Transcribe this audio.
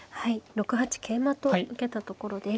６八桂馬と受けたところです。